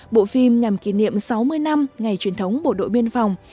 bộ phim nhằm kỷ niệm sáu mươi năm ngày truyền thống bộ đội biên phòng